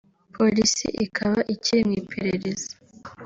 polisi ikaba ikiri mu iperereza